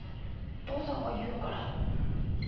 父さんが言うから。